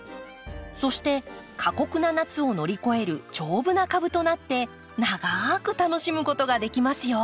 そして過酷な夏を乗り越える丈夫な株となって長く楽しむことができますよ。